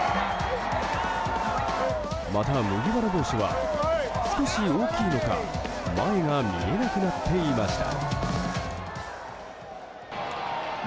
また、麦わら帽子は少し大きいのか前が見えなくなっていました。